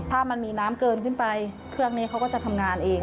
ถ้ามันมีน้ำเกินขึ้นไปเครื่องนี้เขาก็จะทำงานเอง